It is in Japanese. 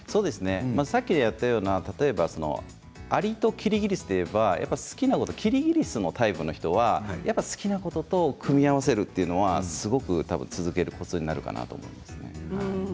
さっきやったようなアリとキリギリスでいえば好きなことキリギリスのタイプは好きなことと組み合わせるのはすごく続けるコツになるかなと思いますね。